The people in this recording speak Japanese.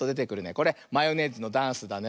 これマヨネーズのダンスだね。